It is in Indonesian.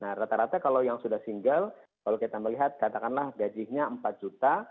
nah rata rata kalau yang sudah single kalau kita melihat katakanlah gajinya empat juta